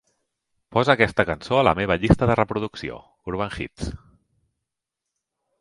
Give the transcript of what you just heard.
Posa aquesta cançó ala meva llista de reproducció "Urban Hits".